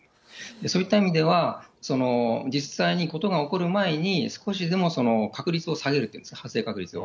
そういった意味では、実際に事が起こる前に、少しでも確率を下げると、発生確率を。